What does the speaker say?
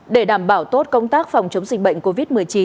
để đảm bảo tốt công tác phòng chống dịch bệnh covid một mươi chín